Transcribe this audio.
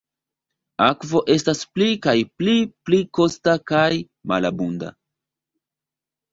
Akvo estas pli kaj pli pli kosta kaj malabunda.